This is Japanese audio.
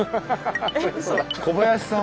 小林さん。